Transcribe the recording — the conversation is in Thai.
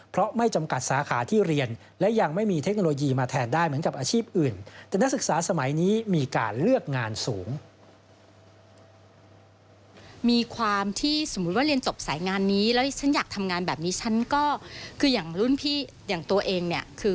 ขนาดที่เรียนเลียฝ์จบสายงานนี้แล้วอยากทำงานที่นี่